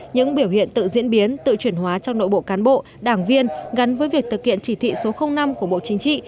những biểu hiện tự diễn biến tự chuyển hóa trong nội bộ cán bộ đảng viên gắn với việc thực hiện chỉ thị số năm của bộ chính trị